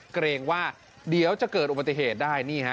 เกรงว่าเดี๋ยวจะเกิดอุบัติเหตุได้นี่ฮะ